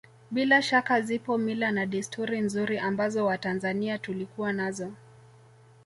Bila shaka zipo mila na desturi nzuri ambazo Watanzania tulikuwa nazo